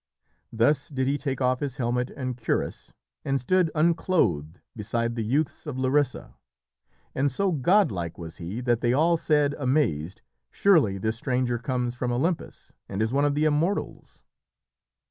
Thus did he take off his helmet and cuirass, and stood unclothed beside the youths of Larissa, and so godlike was he that they all said, amazed, "Surely this stranger comes from Olympus and is one of the Immortals."